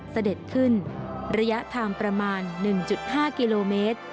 เสด็จขึ้นระยะทางประมาณ๑๕กิโลเมตร